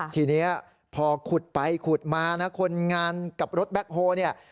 ทีนี้พอขุดไปขุดมานะคนงานกับรถแบ็คโฮเนี่ย